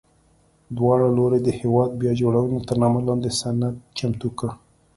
دواړو لورو د هېواد بیا جوړونې تر نامه لاندې سند چمتو کړ.